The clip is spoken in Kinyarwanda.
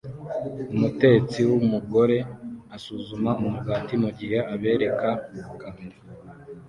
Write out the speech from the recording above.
Umutetsi wumugore asuzuma umugati mugihe abereka kamera